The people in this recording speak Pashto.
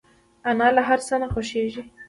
انا له هر څه نه خوښيږي